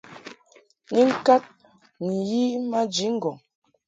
Ni ŋkad ni yi maji ŋgɔŋ.